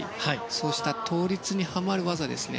そうした倒立にはまる技ですね。